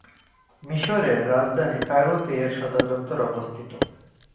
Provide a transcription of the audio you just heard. মিশরের রাজধানী কায়রোতে এর সদর দপ্তর অবস্থিত।